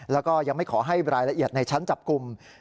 แล้วก็ยังไม่ขอให้รายละเอียดในชั้นจับกลุ่ม